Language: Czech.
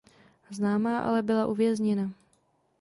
Známá ale byla uvězněna.